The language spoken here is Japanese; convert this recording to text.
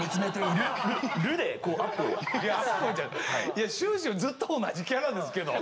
いや終始ずっと同じキャラですけど。